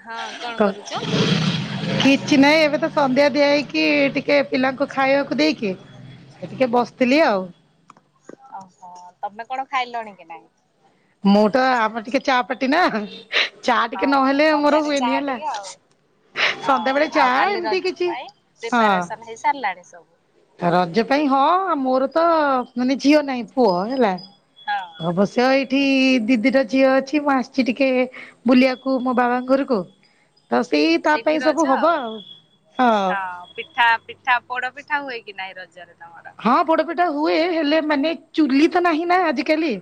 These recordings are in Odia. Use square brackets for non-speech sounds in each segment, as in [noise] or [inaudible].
ହଁ କଣ କ କରୁଛ? କି [inaudible] କିଛି ନାଇଁ ଏବେ ତ ସନ୍ଧ୍ୟା ଦିଆହଇକି ଟିକେ ପିଲାଙ୍କୁ ଖାଇବାକୁ ଦେଇକି ଟିକେ ବସିଥିଲି ଆଉ। ଓହୋ ତମେ କଣ ଖାଇଲଣି କି ନାଇଁ? ମୁଁ ତ ଆମର ଟିକେ ଚା ପାଟି ନା। ଚା ଟିକେ ହଁ ନହେଲେ ମୋର ସନ୍ଧ୍ୟାରେ ହୁଏନି ଚାହା ହେଲା। ଟିକେ ଆଉ। ହଁ ସନ୍ଧ୍ୟାବେଳେ ଚା ଆଉ କାଲି ଏମିତି ରଜ କିଛି ପାଇଁ ହଁ। ପ୍ରିପାରେସନ ହେଇ ସାରିଲାଣି ସବୁ? ରଜ ପାଇଁ ହଁ ମୋର ତ ମାନେ ଝିଅ ନାହିଁ ପୁଅ ହେଲା। ହଁ ଅବଶ୍ୟ ଏଇ କି ଦିଦିର ଝିଅ ଅଛି ମୁଁ ଆସିଛି ଟିକେ ବୁଲିବାକୁ ମୋ ବାବାଙ୍କ ଘରକୁ ତ ସେଇ ତା ସେଇଠି ପାଇଁ ରଜ ସବୁ ହବ ଆଉ। ହଁ ପିଠା, ପିଠାପ ପୋଡପିଠା, ହୁଏ କି ନାହିଁ ରଜରେ ତମର? ହଁ ପୋଡ ପିଠା ହୁଏ। ହେଲେ ମାନେ, ଚୁଲି ତ ନାହିଁ ନା ଆଜିକାଲି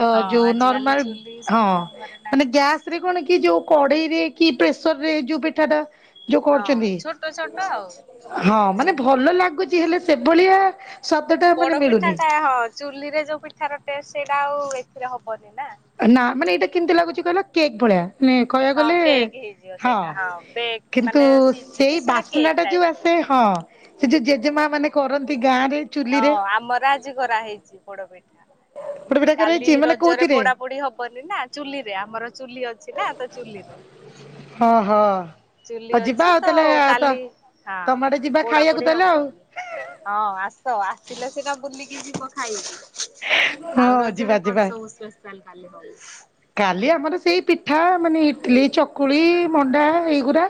ତ ହଁ ଯୋଉ ଆଜିକାଲି ନର୍ମାଲ, ଚୁଲି ହଁ ସମସ୍ତଙ୍କ ଘରେ ମାନେ ନାହିଁ। ଗ୍ୟାସ୍ ରେ କଣ କି ଯୋଉ କଡେଇ ରେ, କି ପ୍ରେସରରେ ଯୋଉ ପିଠା ଟା ଯୋଉ କରୁଛନ୍ତି ହଁ ଛୋଟ, ଛୋଟ ଆଉ। ହଁ ମାନେ ଭଲ ଲାଗୁଚି ହେଲେ ସେଭଳିଆ ସ୍ୱାଦ ଟା ମାନେ ପୋଡ ମିଳୁନି ପିଠାଟା, ହଁ ଚୁଲିରେ ଯୋଉ ପିଠାର ଟେଷ୍ଟ ସେଇଟା ଆଉ ଏଥିରେ ହବନି ନା। ନା ମାନେ ଏଇଟା କେମିତି ଲାଗୁଚି କହିଲ, କେକ୍ ଭଳିଆ। ହୁଁ କହିବାକୁ ହଁ ଗଲେ, କେକ୍ ହେଇଯିବ ହଁ ସେଇଟା ବେକ୍ କିନ୍ତୁ ମାନେ ସିଝିକି ସେଇ ସେଇଟା ବାସ୍ନା କେକ୍ ଟା ଯୋଉ ଟାଇପ ର ଆସେ ହେଇଯିବ। ହଁ ସେ ଯୋଉ ଜେଜେମା, ମାନେ କରନ୍ତି ଗାଁ ରେ ହଁ ଚୁଲିରେ ଆମର, ଆଜି କରା ହେଇଚି ପୋଡ ପିଠା। ପୋଡପିଠା କାଲି କରାହେଇଛି ମାନେ ରଜରେ କୋଉଥିରେ ପୋଡାପୋଡି ହବନି ନା, ଚୁଲିରେ, ଆମର ଚୁଲି ଅଛି ନା, ତ ଚୁଲିରେ ହଁ ହଁ ଚୁଲି ଆଉ ଯିବା ଅଛି ଆଉ ତ ତାହେଲେ ତ କାଲି, ହଁ ତମ ଆଡେ ଯିବା ପୋଡା ଖାଇବାକୁ ପୋଡି ତାହେଲେ ଆଉ ହବନି। ହଁ ଆସ, ଆସିଲେ ସିନା ବୁଲିକି ଯିବ ଖାଇକି। ଆଉ ହଁ ଯିବା ରଜରେ ଯିବା କଣସବୁ, ସ୍ପେସିଆଲ କାଲି ହବ କାଲି ଆମର ସେଇ ପିଠା। ମାନେ ଇଟଲି, ଚକୁଳି, ମଣ୍ଡା ଏଇଗୁରା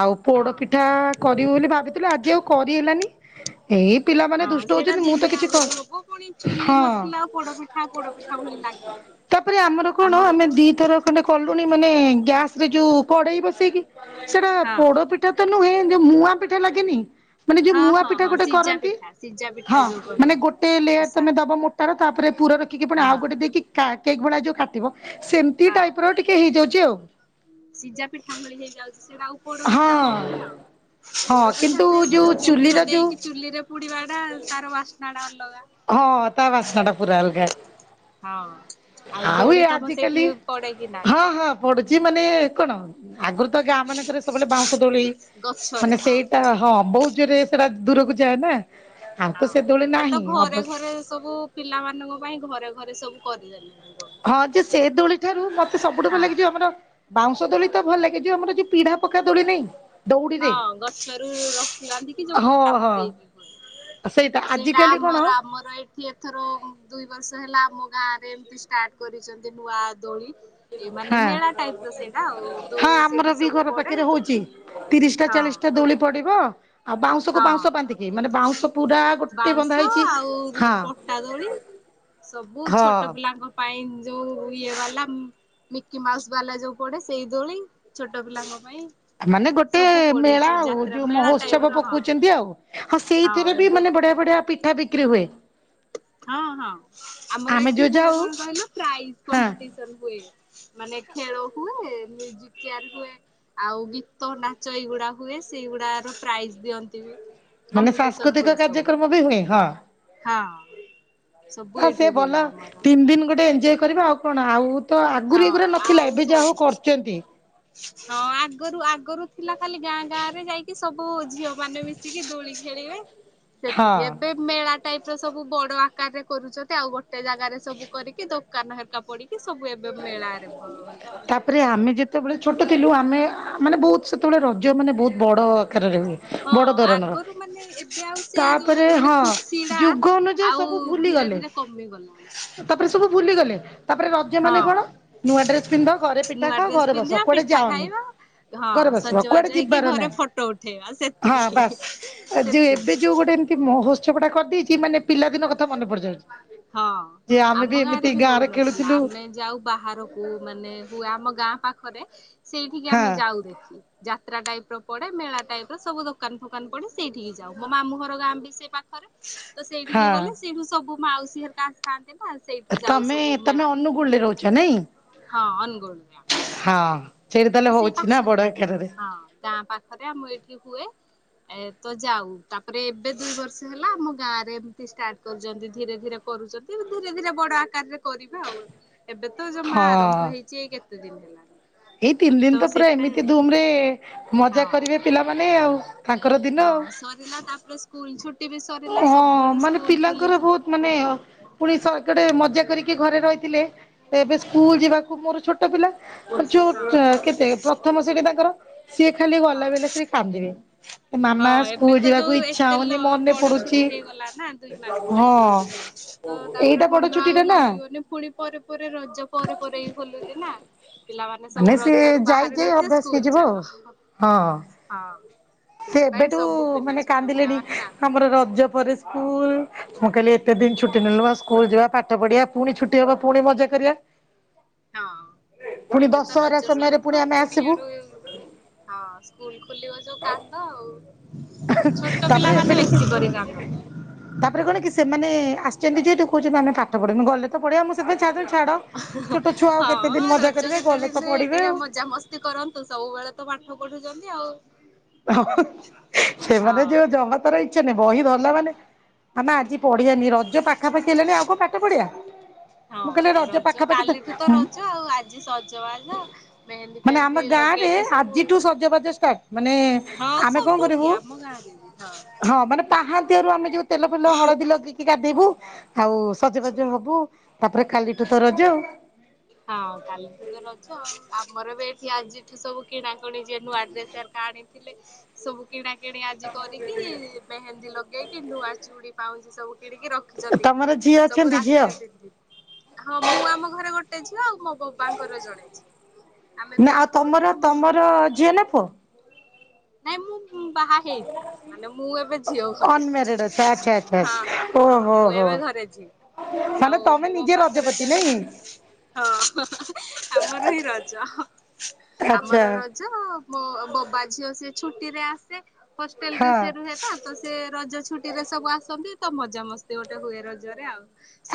ଆଉ ହଁ। ପୋଡ଼ପିଠା କରିବୁ ବୋଲି ଭାବିଥିଲି, ଆଜି ଆଉ କରିହେଲାନି। ଏଇ ପିଲାମାନେ ହଁ ଦୁଷ୍ଟ ସେଇଟା ହୋଉଚନ୍ତି, ମୁଁ ତ ଦିନେ କିଛି କର ଆଗରୁ ହବ ପୁଣି ଚୁଲି ହଁ ନଥିଲା ଆଉ ପୋଡପିଠା ପୋଡପିଠା ଭଳି ଲାଗିବ। ତାପରେ ଆମର କଣ, ଆମେ ଦିଇଥର ଖଣ୍ଡେ କଲୁଣି ମାନେ, ଗ୍ୟାସ ରେ ଯୋଉ କଡେଇ ବସେଇକି ସେଇଟା ହଁ ପୋଡ ପିଠା ତ ନୁହେଁ, ଯଉ ମୁଆଁ ପିଠା ଲାଗେନି, ମାନେ ଯୋଉ ହଁ ମୁୂଆଁ ହଁ ପିଠା ହଁ ଗୋଟେ ସିଝା କରନ୍ତି ପିଠା ସିଝା ପିଠା ହଁ ଯୋଉ ମାନେ, କରନ୍ତି ଗୋଟେ ଲେୟାର ତମେ ଓଷାରେ। ଦବ ମୋଟା ର, ତାପରେ ପୁରରଖିକି, ପୁଣି ଆଉ ଗୋଟେ ହଁ ଦେଇକି କା କେକ୍ ଭଳିଆ ଯୋଉ କାଟିବ, ସେମିତି ଟାଇପ ର ଟିକେ ହେଇଯାଉଚି ଆଉ ସିଜା ପିଠାଭଳି ହେଇଯାଉଚି, ସେଇଟା ଆଉ ହଁ ପୋଡପିଠା ହୋଉନି ଆଉ ହଁ ପୋଡପିଠା, କିନ୍ତୁ ସେ ଯୋଉ ଚୁଲିର ପତ୍ର ଯୋଉ ଦେଇକି ଚୁଲି ରେ ପୁଡିବା ଟା ତାର ବାସ୍ନା ଟା ଅଲଗା। ହଁ, ତା ବାସ୍ନା ଟା ପୁରା ଅଲଗା। ହଁ, ଆଉ ଦୋଳି ତମ ସେଠି ପଡେ କି ନାହିଁ? ପଡୁଚି, ମାନେ କଣ? ଆଗରୁ ତ ଗାଁ ମାନଙ୍କରେ ସବୁବେଳେ ବାଉଁଶ ଦୋଳି, ଗଛରେ ମାନେ ହଁ ସେଇଟା ହଁ ବହୁତ ଯୋରେ ସେଟା ଦୂରକୁ ଯାଏ ନା, ଆଉ ତ ହଁ ସେଦୋଳି ଏବେ ତ ନାହିଁ। ଘରେ ଅବଶ୍ୟ ଘରେ ସବୁ ପିଲାମାନଙ୍କ ପାଇଁ ଘରେ, ଘରେ ସବୁ କରିଦେଲେଣି ଦୋଳି। ହଁ ଯେ ସେ ଦୋଳି ଠାରୁ ମତେ ସବୁଠୁ ଭଲ ହଁ ଲାଗେ, ଯୋଉ ଆ ଆମର ବାଉଁଶ ଦୋଳି ତ ଭଲ ଲାଗେ, ଆମର ଯୋଉ ପିଢା ପକା ଦୋଳି ନାଇଁ ଦଉଡିରେ ହଁ ଗଛରୁ, ରସିବାନ୍ଧିକିଯୋଉ ହଁ ପଟା ହଁ ପକେଇକି ହୁଏ। ସେଇଟା ଆଜିକାଲି କଣ ଆମର ଆମର ଏଇ ଠି ଏଥର, ଦୁଇ ବର୍ଷ ହେଲା ଆମ ଗାଁ ରେ ଏମତି ଷ୍ଟାର୍ଟ କରିଚନ୍ତି, ନୂଆ ଦୋଳି। ଏଇ ମାନେ, ହଁ ମେଳା ଟାଇପ ର ସେଇଟା, ଆଉ ଦୋଳି ସେଠି ସବୁ ପଡେ। ତିରିଶି ଟା, ହଁ। ଚାଳିଶି ଟା ଦୋଳି ପଡିବ? ଆଉ ବାଉଁଶକୁୁ, ହଁ ବାଉଁଶ ବାନ୍ଧିକି ମାନେ ବାଉଁଶ ପୁରା ଗୋଟେ ବାଉଁଶ ବନ୍ଧା ହେଇଚି, ଆଉ ପଟା ଦୋଳି ହାଁ ସବୁ ଛୋଟ ପିଲାଙ୍କ ପାଇଁ ଯୋଉ ଇଏ ବାଲା ମିକି ମାଉସ ବାଲା ଯୋଉ ପଡେ ସେଇ ଦୋଳି ଛୋଟ ପିଲାଙ୍କ ପାଇଁ ମାନେ ଗୋଟେ ସବୁ ମେଳା ପଡୁଛି ଆଉ ଯାତ୍ରା ଯୋଉ ମେଳା ଟାଇପ ମହୋତ୍ସବ ର ହଁ ପକଉ ଆଉ ହଁ ସେଇଥିରେ ବି ମାନେ ବଢିଆ ବଢିଆ ପିଠା ବିକ୍ରି ହୁଏ। ହଁ ହଁ ଆମର ଆମେ ଏଠି ଯୋଉ ହୁଏ ଯାଉ କଣ କହିଲ ପ୍ରାଇଜ ହଁ କମ୍ପିଟସନ ହୁଏ। ମାନେ ଖେଳ ହୁଏ ମିଉଜିକ ଚେୟାର ହୁଏ। ଆଉ ଗୀତ ନାଚ ଏଇଗୁଡା ହୁଏ ସେଇଗୁଡା ର ପ୍ରାଇଜ ଦିଅନ୍ତି ବି। ମାନେ କମ୍ପିଟିସନ ସାଂସ୍କୃତିକ ହୁଏ ସବୁ କାର୍ଯ୍ୟକ୍ରମ ବି ଏମିତି। ହୁଏ ହଁ। ହଁ ସବୁ ହଁ ସେ ଏଇଠି ଭଲ ହୁଏ ଆମର। ତିନି ଦିନ ଗୋଟେ ଏଞ୍ଜୟ କରିବା ଆଉ କଣ ଆଉ ତ ଆଗୁରୁ ହଁ ଏଗୁରା ନଥିଲା ଆଉ ଏବେ ଯାହା ହଉ ସରିନି। କରୁଛନ୍ତି। ହଁ ଆଗରୁ ଆଗରୁ ଥିଲା ଖାଲି ଗାଁ ଗାଁ ରେ ଯାଇକି ସବୁ ଝିଅ ମାନେ ବି ତିକି ଦୋଳି ଖେଳିବେ ହଁ। ସେତିକି ଏବେ ମେଳା ଟାଇପ ର ସବୁ ବଡ ଆକାରରେ କରୁଛନ୍ତି ଆଉ ଗୋଟେ ଜାଗାରେ ସବୁ କରିକି ଦୋକାନ ଫରକା ପଡିକି ସବୁ ଏବେ ଏ ମେଳାରେ ଭ ଭଳି କରୁଛନ୍ତି ସବୁ। ସେତେବେଳେ ଛୋଟ ଥିଲୁ ଆମେ ମାନେ ବହୁତ ସେତେବେଳେ ରଜ ମାନେ ବହୁତ ବଡ ଆକାରରେ ହୁଏ ହଁ ବଡ ଧରଣର ଆଗରୁ ମାନେ ଏବେ ଆଉ ସେଇ ଯୋଉ ତାପରେ ମାନେ ହଁ ଖୁସି ଟା ଯୁଗ ଅନୁ ଆଉ ଧୀରେ ଧୀରେ କମିଗଲାଣି। ତାପରେ ସବୁ ଭୂଲିଗଲେ ତାପରେ ର ସେମାନେ ହଁ କଣ ନୂଆ ଡ୍ରେସ ପିନ୍ଧ ଘରେ ପିଠା ନୂଆ ଖାଅ ଡ୍ରେସ ଘରେ ବସ ପିନ୍ଧିବା କୁଆଡେ ପିଠା ଯାଅନି। ଖାଇବା। ହଁ ଘରେ ବସିବ ସଜବାଜ କୁଆଡେ ହେଇକି ଯିବାର ଘରେ ନାହିଁ ଫଟୋ ଉଠେଇବା ହଁ ସେତିକି ବାସ୍ ସେତିକି। ଏବେ ଯୋଉ ଗୋଟେ ସେମିତି ମହୋତ୍ସବଟା କରିଦେଇଛି। ମାନେ ପିଲାଦିନ କଥା ମନେ ପଡିଯାଉଛି ହଁ ଯେ ଆମେ ଆମ ବି ଗାଁରେ ଏମିତି ଗାଁ ରେ ହଉନଥିଲା ଖେଳୁଥିଲୁ। ଆମେ ଯାଉ ବାହାରକୁ ମାନେ ହୁଏ ଆମ ଗାଁ ପାଖରେ ସେଇଠିକି ହଁ ଆମେ ଯାଉ ଦେଖି ଯାତ୍ରା ଟାଇପ ର ପଡେ ମେଳା ଟାଇପ ର ସବୁ ଦୋକାନ ଫୋକାନ ପଡେ ସେଇଠିକି ଯାଉ ମୋ ମାମୁଁ ଘର ଗାଁ ବି ସେ ରେ ତ ସେଇଠିକି ହଁ ଗଲେ ସେଇଠୁ ସବୁ ମାଉସୀ ହେରିକା ଆ ଥାନ୍ତେ ନା ସେଇଠୁ ଯାଉ ତମେ ସବୁ ତମେ ମେଳା ଦେଖି ଅନୁଗୁଳରେ ରହୁଛ ନାଇଁ ହଁ ଅନୁଗୁଳ। ହଁ ସେଇଠି ତାହେଲେ ତ ସେଇ ହଉଛି ନା ବଡ ପାଖରେ ହ ଆକାରରେ। ହଁ ଗାଁ ପାଖରେ ଆମ ଏଇଠି ହୁଏ। ଏ ତ ଯାଉ ତାପରେ ଏବେ ଦୁଇ ବର୍ଷ ହେଲା ଆମ ଗାଁରେ ଏମତି ଷ୍ଟାର୍ଟ କରୁଛନ୍ତି ଧୀରେ ଧୀରେ କରୁଛନ୍ତି ଧୀରେ ଧୀରେ ବଡ ଆକାର ରେ କରିବେ ଆଉ ଏବେ ତ ଜମା ହଁ ଆରମ୍ଭ ହେଇଛି ଏଇ କେତେ ଦିନ ହେଲା। ଏଇ ତିନି ଦିନ ତ ପୁରା ଏମିତି ଧୁମ ରେ ମଜା ହଁ। କରିବେ ପିଲାମାନେ ଆଉ ତାଙ୍କର ଦିନ ହଁ ଆଉ ତାପରେ ସ୍କୁଲ ଛୁଟି ବି ସରିଲା ସବୁ। ହଁ ମାନେ ପିଲାଙ୍କର ବହୁତ ମ ମାନେ ପୁଣିଟେ ମଜା କରିକି ଘରେ ରହିଥିଲେ ଏବେ ସ୍କୁଲ ଯିବାକୁ ମୋର ଛୋଟ ଛୋଟ ପିଲା ହଁ ଯୋଉ କେତେ ପ୍ରଥମ ଶ୍ରେଣୀ ତାଙ୍କର ସିଏ ଖାଲି ଗଲାବେଳେ ହଁ। ଖାଲି କାନ୍ଦିବେ। ମାମା ହଁ ସ୍କୁଲ ଏବେ ତ ଯିବାକୁ ଯୋଉ ଇଚ୍ଛା ଏତେ ହଉନି ମନେ ପଡୁଛି ଛୁଟି ହେଇଗଲା ନା ଦୁଇ ମାସ ପୁରା ହଁ ତ ତାପରେ ଏଇଟା ବଡ ମନ ଛୁଟି ଟା ଆଉ ନା ଲାଗିବନି ପୁଣି। ପରେ ପରେ ରଜ ପରେ ପରେ ଖୋଲୁ ଯେ ନା ପିଲାମାନେ ମାନେ ସବୁ ସିଏ ରଜରୁ ଯାଇ ବାହାରି ଯାଇ ନଥିବେ ଅଭ୍ୟାସ ସ୍କୁଲ ହେଇଯିବ ଆଉ। ଚାଲ ହଁ। ହଁ ସେ ସେଥିପାଇଁ ଏବେଠୁ ସବୁ ପିଲା ମାନେ ଛୋଟ କାନ୍ଦିଲେଣି ପିଲାମାନେ କାନ୍ଦିବେ ଆମର ରଜ ପରେ ସ୍କୁଲ। ମୁଁ କହିଲି ଏତେ ଦିନ ଛୁଟି ନେଲୁ ସ୍କୁଲ ଯିବା ପାଠ ପଢିବା ପୁଣି ଛୁଟି ହବ ପୁଣି ମଜା କରିବା। ହଁ ପୁଣି ଏବେ ତ ଦଶହରା ରଜ ସମୟରେ ସରିଥିବ ଆମେ ପୁଣି ଆସିବୁ ଆଡୁ ହଁ ସ୍କୁଲ ଖୋଲିବ ଯୋଉ କାନ୍ଦ ଆଉ ଛୋଟ ତାପରେ ଏବେ ପିଲାମାନେ ଟିକେ ବେଶୀ କରି କାନ୍ଦ ତାପରେ କଣ କି ସେମାନେ ଆସିଛନ୍ତି ଯେହତୁ କହୁଛନ୍ତି ମାନେ ପାଠ ପଢନୁ ଗଲେ। ପାଠ ପଢିବା ମୁଁ ସେଥୀ ପାଇଁ ଛାଡି ଦେଲି ଛୋଟ ଛୁଆ ଆଉ ହଁ କେତେ ଦିନ ମଜା କରିବେ ଗଲେ ତ ପଢିବେ ଆଉ। ସ୍ତି କରନ୍ତୁ ସବୁବେଳେ ତ ପାଠ ପଢୁଛନ୍ତି ଆଉ। ହଁ ହଁ ସେମାନେ ହଁ। ଯୋଉ ଜମା ତାର ଇଚ୍ଛା ନା ବହି ଧରିଲା ମାନେ ମାମା ଆଜି। ପଢିବାନି ରଜ ପାଖା ପାଖି ହେଲାଣି ଆଉ କଣ ପାଠ ପଢିବା। ମୁଁ କହିଲି ହଁ ରଜ ପାଖାପାଖି କାଲିଠୁ ତ ରଜ ଆଉ ଆଜି ସଜବାଜ। ମେହେନ୍ଦୀ ମାନେ ଆମ ଫେହେନ୍ଦୀ ଗାଁ ରେ ଲଗେଇକି ସବୁ। ଆଜିଠୁ ସଜବାଜ ଷ୍ଟାର୍ଟ ମାନେ ହଁ ଆମେ କଁ ସବୁଠି କରିବୁ, ଆମ ଗାଁରେ ବି ହଁ ମାନେ ପାହାଁତିଆରୁ ଆମେ ଯୋଉ ତେଲ ଫେଲ ହଳଦୀ ଲଗେଇକି ଗାଧେଇବୁ ଆଉ ସଜବାଜ ହବୁ ତାପରେ କାଲିଠୁ ତ ରଜ ଆଉ। ହଁ କାଲିଠୁ ତ ରଜ ଆଉ ଆମର ବି ଏଠି ଆଜିଠୁ ସବୁ କିଣାକୁଣି ଯିଏ ନୂଆ ଡ୍ରେସ ହେରିକା ଆଣିଥିଲେ ସବୁ କିଣାକିଣି ଆଜି କରିକି। ମେହେନ୍ଦୀ ଲଗେଇକି ନୂଆ ଚୁଡ଼ି, ପାଉଁଜି ସବୁ କିଣିକି ରଖିଛନ୍ତି ତମର ଝିଅ ସବୁ ଅଛନ୍ତି ଝିଅ? ରାତିରେ ପିନ୍ଧି ହଁ ମୁଁ ଆମ ଘରେ ଗୋଟେ ଝିଅ ଆଉ ମୋ ବୋବା ଙ୍କର ଜଣେ ଝିଅ। ଆମେ ନା ଦୁଇ ଆଉ ଭଉଣୀ ତମର ଆମ ଘରେ। ତମର ଝିଅ ନା ପୁଅ? ନାଇଁ ମୁଁ ବାହା ହେଇନି। ମାନେ ମୁଁ ଏବେ ଝିଅ ଘରେ ଅନମ୍ୟାରେଡ ଅଛ ଆଚ୍ଛା ଆଚ୍ଛା ହଁ ଆଚ୍ଛା ହଁ ହଁ ଓହୋ ମୁଁ ହୋ ଏବେ ଘରେ ଝିଅ। ଆଉ ମାନେ ତମେ ମୋ ନିଜେ ବୋବା ଙ୍କର ରଜପତି ଜଣେ ନାଇଁ ଝି ହଁ। ହଁ ହଁ ହଁ ଆମର ହିଁ ରଜ ହଁ ଆଚ୍ଛା ଆମର ର ଜ ମୋ ବବା ଝିଅ ସିଏ ଛୁଟିରେ ଆସେ ହଷ୍ଟେଲ ରେ ହଁ ସିଏ ରୁହେ ତ। ତ ସିଏ ରଜ ଛୁଟି ରେ ସବୁ ଆସନ୍ତି ତ ମଜା ମସ୍ତି ଗୋଟେ ହୁଏ ରଜରେ ଆଉ।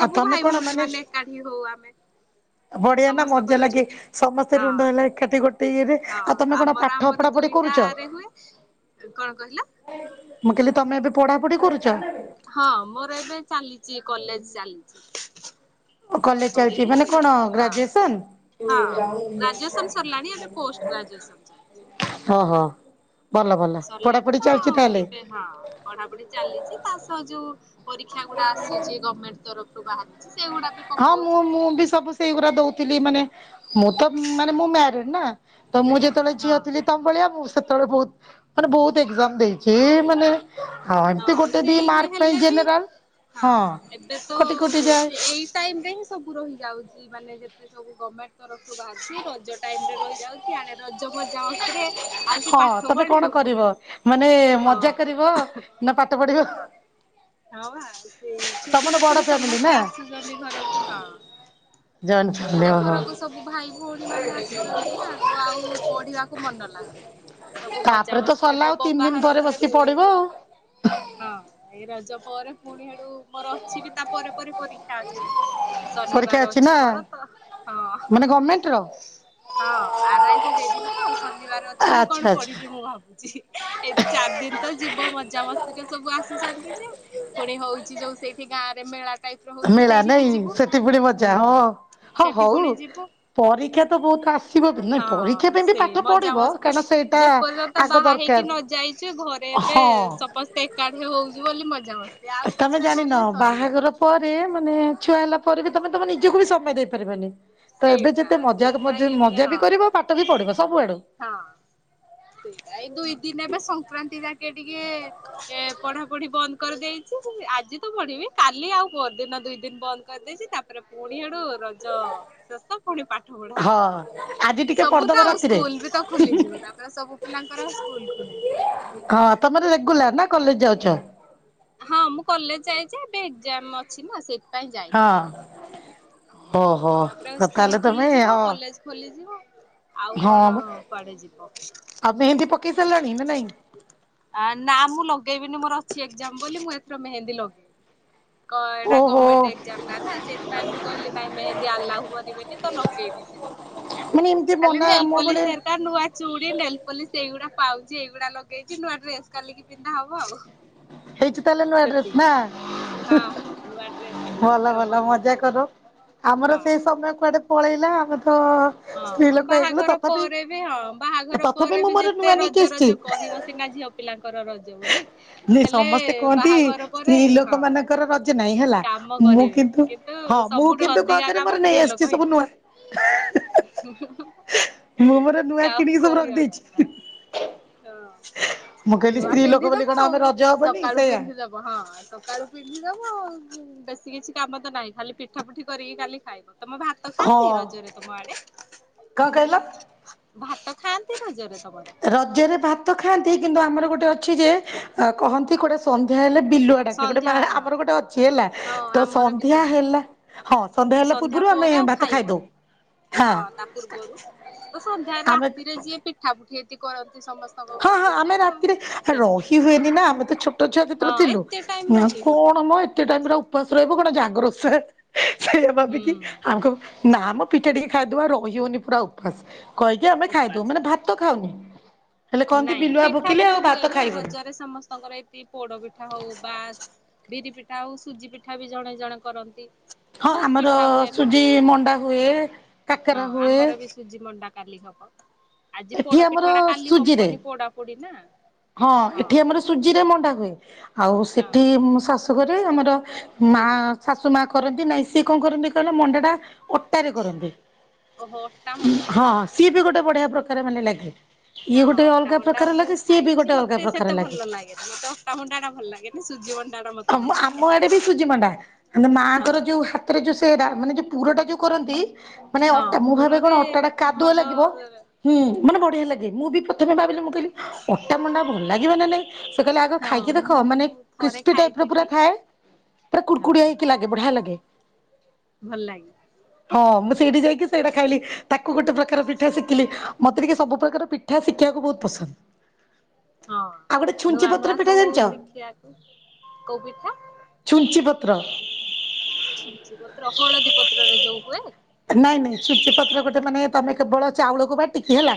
ଆଉ ତମେ ଭାଇ କଣ ଭଉଣୀ ମାନେ ଏକାଠି ହଉ ଆମେ। ବଢିଆ ନା ମଜା ସମସ୍ତଙ୍କର ଲାଗେ ଛୁଟି। ସମସ୍ତେ ହଁ ରୁଣ୍ଡ ହେଲ ଏକାଠି ଗୋଟେ ଇଏରେ, ଆଉ ତମେ କଣ ପାଠ ପଢା ପଢି ଦୁଇଟା କରୁଛ? ରେ ହୁଏ, କଣ କହିଲେ। ମୁଁ କହିଲି ତମେ ଏବେ ପଢାପଢି କରୁଛ? ହଁ, ମୋର ଏବେ ଚାଲିଛି କଲେଜ ଚାଲିଛି। କଲେଜ ଚାଲିଛି ସରିନି ମାନେ ହଁ। କଣ ଗ୍ରାଜୁଏସନ୍? ହଁ ଗ୍ରାଜୁଏସନ ସରିଲାଣି ଏବେ ପୋଷ୍ଟ ଗ୍ରାଜୁଏସନ ଚାଲିଛି। ଓ ହୋ। ଭଲ ଭଲ ସରିଲାଣି ତ ପଢାପଢି ଚାଲିଛି ତାହେଲେ। ଏବେ ହଁ। ପଢାପଢି ଚାଲିଛି ତା ସହ ଯୋଉ ପରୀକ୍ଷା ଗୁଡା ଆସୁଛି ଗର୍ମେଣ୍ଟ ତରଫରୁ ବାହାରୁଛି ସେଗୁଡା ବି। ହଁ ମୁଁ ପକଉଛୁ ମୁଁ ବି ସବୁ ସେଇଗୁରା ଦଉଥିଲି ମାନେ ମୁଁ ତ ମାନେ ମୁଁ ମ୍ୟାରେଡ୍ ନା। ତ ମୁଁ ଯେତେବେଳେ ଝିଅ ହଁ। ଥିଲି। ତମ ଭଳିଆ ମୁଁ ସେତେବେଳେ ବହୁତ ମାନେ ବହୁତ ଏକ୍ସାମ୍ ଦେଇଛି ଏ ମାନେ। ହଁ ଏମତି ଗୋଟେ ଦି ସେଇ ମାର୍କ ପାଇଁ ହେଲେ ବି ଜେନେରାଲ୍। ହଁ ଏବେ ସୁ ଏଇ ଟାଇମ ରେ ହିଁ ସବୁ ରହିଯାଉଛି ମାନେ ଯେତେ ଯେତେ ସବୁ ଗମେଣ୍ଟ ତରଫରୁ ବାହାରୁଛି ରଜ ଟାଇମ ରେ ରହିଯାଉଛି ଆଡେ ରଜ ମଜା ମସ୍ତି ରେ। ହଁ ତମେ କଣ କରିବ ମାନେ ହଁ ମଜା କରିବ ନା ପାଠ ପଢିବ। ହଁ ବା ସେ ଛୁଟି ତମର ରେ ବଡ ପୁଣି ଫ୍ୟାମିଲି ନା ସମସ୍ତେ ଆସୁଛନ୍ତି ଘରକୁ ହଁ। ଜଏଣ୍ଟ ଫ୍ୟାମିଲି ଛୁଟିରେ ଓହୋ ଘରକୁ ସବୁ ଭାଇ ଭଉଣୀ ମାନେ ଆସୁଛନ୍ତି ନା ତ ଆଉ ପଢିବାକୁ ମନ ଲାଗୁନି। ସବୁ ମଜା ତାପରେ ତ ମସ୍ତି ରେ, ସରିଲା ମୋ ଆଉ ତିନି ବବା ଦିନ ଘର ପରେ ଘରେ ବସିକି ଦୋଳି ପଢିବ ହୁଏ। ଆଉ ହଁ ଏଇ ରଜ ପରେ ପୁଣି ହେଡୁ ମୋର ଅଛି ବି ତା ପରେ ପରେ ପରୀକ୍ଷା ଅଛି। ପରୀକ୍ଷା ଶନିବାର ନା ଅଛି ମୋର ତ ହଁ। ମାନେ ଗମେଣ୍ଟ ର। ହଁ, ଆର ଆଇ ପକେଇଥିଲି ତ ଶନିବାର ଅଛି ମୁଁ ଆଚ୍ଛା କଣ ଆଚ୍ଛା ପଢିବି ମୁଁ ଭାବୁଛି ଏଇ ଚାରି ଦିନି ତ ଯିବ ମଜା ମସ୍ତିରେ ସବୁ ଆସିଛନ୍ତି ଯେ। ପୁଣି ହଉଛି ଯୋଉ ସେଇଠି ଗାଁରେ ମେଳା ଟାଇପ୍ ର ହଉଛି ମେଳା ନାଇଁ ସେଇଠିକି ଯିବୁ, ସେଠି ପୁଣି ମଜା ହୁଁ। ହଁ ହଁ ସେଠି ହଉ ପୁଣି ଯିବୁ ପରୀକ୍ଷା ତ ବହୁତ ଆସିବ ବି ନାଇଁ ହଁ। ପରୀକ୍ଷା ପାଇଁ ବି ପାଠ ପଢିବ କାରଣ ସେଇଟା ତ ଆଗ ବାହା ହେଇକି ଦରକାର ନ ଯାଇଛେ ଘରେ ଏବେ ହଁ ସମସ୍ତେ ଏକାଠି ହଉଛିୁ ବୋଲି ମଜା ମସ୍ତି ତମେ ଜାଣିନ ବାହାଘର ପରେ ମାନେ ଛୁଆ ହେଲା ପରେ ବି ତମେ ତମ ନିଜକୁ ବି ସମୟ ଦେଇପାରିବନି। ତ ଏବେ ସେଇଟା ଯେତେ ମଜା ସେଥିପାଇଁ ଏବେ ମଜା ହଁ ବି କରିବ ପାଠ ବି ପଢିବ ସବୁଆଡୁ। ହଁ। ନାଇଁ ଦୁଇ ଦିନ ଏବେ ସଂକ୍ରାନ୍ତି ଯାକେ ଟିକେ ଏ ପଢାପଢି ବନ୍ଦ କରିଦେଇ ଆଜି ତ ପଢିବି କାଲି ଆଉ ପରଦିନ ଦୁଇ ଦିନ ବନ୍ଦ କରିଦେଇଛି ତାପରେ ପୁଣି ଆଡୁ ରଜ ଦଶମ ପୁଣି ପାଠ ପଢା ହଁ ଆରମ୍ଭ ଆଜି ଟିକେ ସବୁ ପଢିଦବ ତ ଆଉ ରାତିରେ ସ୍କୁଲ ବି ତ ଖୋଲିଯିବ ତାପରେ ସବୁ ପିଲାଙ୍କର ସ୍କୁଲ ଖୋଲିଯିବ। ହଁ ତମର ରେଗୁଲାର ନା କଲେଜ ଯାଉଛ? ହଁ ମୁଁ କଲେଜ ଯାଇଛି ଏବେ ଏକ୍ଜାମ ଅଛି ନା ସେଇଥିପାଇଁ ହଁ ଯାଇନ। ଓହୋ ତାପରେ ଆଉ ସ୍କୁଲ ତାହେଲେ ତମେ ଖୋଲିଯିବ ହଁ କଲେଜ ଖୋଲିଯିବ। ଆଉ ହଁ କଣ ବା କୁଆଡେ ଯିବ? ଆଉ ମେହେନ୍ଦୀ ପକେଇ ସାରିଲାଣି ନା ନାଇଁ? ନା ମୁଁ ଲଗେଇବିନି ମୋର ଅଛି ଏଜାମ ବୋଲି ମୁଁ ଏଥରେ ମେହେନ୍ଦୀ ଲଗେ କ ଏଇଟା ଓହୋ ଗଭର୍ଣ୍ମେଣ୍ଟକ୍ଜାମ ଟା ନା ସେଥିପାଇଁ ମୁଁ କହିଲି ନାଇଁ ମେହେନ୍ଦୀ ଆଲ୍ଲାହ କରିବେନି ତ ଲଗେଇନି ସେଥିପାଇଁ ମାନେ ଏମିତି ଖାଲି ମନା ମୋ ବେଳେ ନେଲପଲିର ନୂଆ ଚୁଡି ନେଲ ପଲିସ ଏଇଗୁଡା ପାଉଛି ଏଇଗୁଡା ଲଗେଇଛି ନୂଆ ଡ୍ରେସ୍ କାଲିକି ପିନ୍ଧା ହବ ଆଉ। ହେଇଚି ତା ହେଲେ ନୂଆ ଡ୍ରେସ୍ ନା। ସେତିକି ହଁ ହଁ ନୂଆ ଡ୍ରେସ ଉଁ ଭଲ ଏଥର ଭଲ ମଜା ବନେଇଛି କର। ଆମର ସେଇ ହଁ। ସମୟ କୁଆଡେ ପଳେଇଲା ଆମେ ତ ସ୍ତ୍ରୀ ହଁ ଲୋକ ହେଇଗଲୁ ବାହାଘର ତଥାପି ପରେ ବି ହଁ ବାହାଘର ତଥାପି ପରେ ମୁଁ ବି ମୋର ନୂଆ ଯେତେ ନେଇକି ରଜ ଆସିଛି ରଜ କହିବ ସିନା ଝିଅ ପିଲାଙ୍କର ରଜ ବୋଲି। ଲି ହେଲେ ସମସ୍ତେ କୁହନ୍ତି ବାହାଘର ପରେ ସ୍ତ୍ରୀ ଲୋକ ହଁ ମାନଙ୍କର ରଜ ନାହିଁ ହେଲା କାମ ମୁଁ କରିବେନି କିନ୍ତୁ ହଁ ମୁଁ ସବୁଠୁ କିନ୍ତୁ ଅଧିକା କଅନ୍ତିରେ କାମ ମୋର ସ୍ତ୍ରୀ ନେଇ ଆସିଛି ସବୁ ନୁଆ ହେଁ ହେଁ ଦୁ, ହୁ, କିଣିକି ହୁକାହାକୁ ସବୁ କହିବା ରଖିଦେଇଛି ନି। ହଁ ମୁଁ କହିଲି ନୂଆ ସ୍ତ୍ରୀ ଲୋକ ବୋଲି ପିନ୍ଧିଦବ କଣ ଆମେ ଆଉ ରଜ ହବନି ସକାଳୁ ସେଇଆ ପିନ୍ଧିଦବ ହଁ ସକାଳୁ ପିନ୍ଧିଦବୁ ଆଉ ବେଶୀ କିଛି କାମ ତ ନାହିଁ ଖାଲି ପିଠା ପୁଠି କରିକି ଖାଲି ଖାଇ ତମ ଭାତ ଖାଆନ୍ତି ରଜରେ ତମ ଆଡେ? କଅଁ କହିଲ। ଭାତ ଖାଆନ୍ତି ରଜରେ ତମର? ରଜରେ ଭାତ ଖାଆନ୍ତି କିନ୍ତୁ ଆମର ଗୋଟେ ଅଛି ଯେ କହନ୍ତି କୋଟେ ସନ୍ଧ୍ୟା ହେଲେ ବିଲୁଆଡାକେ ଗୋଟେ ସନ୍ଧ୍ୟା ମାନେ ହଁ ଆମର ଗୋଟେ ହେଲା ହଁ ତ ଆମର ବି ସନ୍ଧ୍ୟା ସେମିତି ହେଲା ହଁ ସନ୍ଧ୍ୟା ହେଲା ପୂର୍ବରୁ ଆମେ ପରେ ଆଉ ଭାତ ଖାଇଦଉ। ଖାଇବନି ହଁ ତା ପୂର୍ବରୁ ତ ସନ୍ଧ୍ୟାରେ ଆମେ ରାତିରେ ଯିଏ ପିଠା ପୁଠି ଏି କରନ୍ତି ସମସ୍ତେ। ହଁ ହଁ ଆମେ ରାତିରେ ରହି ହୁଏନି ନା ଆମେ ତ ଛୋଟ ଛୁଆ ସେତେବେ ହଁ ଥିଲୁ। ଏତେ ଟାଇମ ନା ରହି ହବନି କଣ ମୋ ଏତେ ଟାଇମରେ ଉପାସ ରହିବୁ କଣ ଜାଗର ଓଷା ସେଇଆ ଭାବିକି ଆମ ହୁଁ କରିବ ନା ଆମ ପିଠା ଟିକେ ଖାଇଦଉ ଆଉ ରହିହଉନି ପୁରା ଉପାସ କହିକି ଆମେ ଖାଇଦଉ ଉପାସ ମାନେ ଭାତ ମୁଁତ ଖାଉନି। ହେଲେ କହନ୍ତି ନାଇଁ ବିଲୁଆ ପିଠା ଭୋକିଲେ ଆଉ ପୁଠି ହୁଏ ଭାତ ନା ଖାଇବନି। ରଜରେ ସମସ୍ତଙ୍କର ଏ ବି ପୋଡ ପିଠା ହଉ ବା ବିରି ପିଠା ହଉ ସୁଜି ପିଠା ବି ଜଣେ ଜଣେ କରନ୍ତି। ହଁ ବହୁତ ଆମର ପିଠା ହୁଏ ନା ସୁଜି ମଣ୍ଡା ହୁଏ ହଁ କାକରା ହୁଏ। ଆମର ବି ସୁଜି ମଣ୍ଡା କାଲି ହବ ଆଜି ଏଠି ପୋଡ ଆମର ପିଠା ଟା କାଲି ହବ ସୁଜିରେ ପନିପୋଡା ପୋଡି ନା ହଁ ଏଠି ଆମର ସୁଜିରେ ମଣ୍ଡା ହୁଏ ଆଉ ହଁ ସେଠି ମୋ ଶାଶୁଘରେ ଆମର ମା ବିରି ଶାଶୁ ମା କରନ୍ତି ନାଇଁ ସିଏ କଣ କରନ୍ତି କହିଲ ମଣ୍ଡା ଟା ଅଟାରେ କରନ୍ତି, ଓହୋ ଅଟା ମଣ୍ଡା। ହଁ ସିଏ ବି ଗୋଟେ ବଢିଆ ପ୍ରକାର ମାନେ ଲାଗେ - ହଁ ଅଟାମଣ୍ଡା ମୁଁ ଖାଇଚି, ଗୋଟେ ଅଲଗା ମତେ ପ୍ରକାର ସେତେ ଲାଗେ। ଭଲ ଲାଗେନି ତ- ଅଟା ମଣ୍ଡା ଟା ଭଲ ଲାଗେନି ସୁଜି ମଣ୍ଡା ଟା ମତେ ଆମ ଭଲ ଆମ ଲାଗେ ଆଡେ ବି ସୁଜି ମଣ୍ଡା। ଆ ହଁ ମାଆଙ୍କର ଯୋଉ ହାତରେ ଯୋଉ ସେରା ମାନେ ଯୋଉ ପୁରଟା ଯୋଉ କରନ୍ତି - ମାନେ ହଁ ଅଟା ମୁଁ ଭାବେ କଣ ପୁରରେ ଅଟା ଟା କାଦୁଅ ଲାଗିବ ଭଲ ହୁଁ ମାନେ ବଢିଆ ଲାଗେ ମୁଁ ବି ପ୍ରଥମେ ଭାବିଲି ମୁ କହିଲି - ଅଟା ମଣ୍ଡା ଭଲ ଲାଗିବ ନା ନାଇଁ ସେ କହିଲେ ଆଗ ହଁ ଖାଇକି ଦେଖ ମୁଁ ମାନେ ମୁଁ ଥରେ କିସ୍ପ ଟାଇପର ପୁରା ଖାଇଥିଲି ଥାଏ, ପୁରା ହଁ। କୁଡ଼କୁଡିଆ ହେଇକି ଲାଗେ ବଢିଆ ଲାଗେ ଭଲ ଲାଗେ ହଁ ମୁଁ ସେଇଠି ଯାଇକି ସେଇଟା ଖାଇଲି ତାକୁ ଗୋଟେ ପ୍ରକାର ପିଠା ଶିଖିଲି, ମତେ ଟିକେ ସବୁ ପ୍ରକାର ପିଠ ପିଠା ଶିଖିବାକୁ ବହୁତ ପସନ୍ଦ। ହଁ ଆଉ ଗୋଟେ ଛୁଞ୍ଚି ନୂଆ ପତ୍ର ନୂଆ ପିଠା ସବୁ ଜାଣିଛ? ଶିଖିବାକୁ କୋଉ ପିଠା - ଛୁଞ୍ଚି ପତ୍ର ଛୁଞ୍ଚି ପତ୍ର ହଳଦୀ ପତ୍ରରେ ଯୋଉ ହୁଏ? ନାଇଁ ନାଇଁ ଛୁଞ୍ଚି ପତ୍ର ଗୋଟେ ମାନେ ତମେ କେବଳ ଚାଉଳକୁ ବାଟିକି ହେଲା